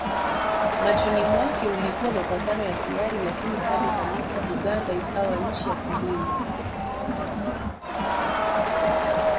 Machoni mwake ulikuwa mapatano ya hiari lakini hali halisi Buganda ikawa nchi ya kulindwa